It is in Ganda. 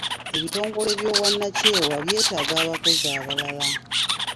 Ebitongole eby'obwannakyewa byetaaga abakozi abalala.